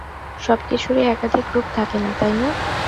সবকিছুর-ই একাধিক রূপ থাকে, তাই না?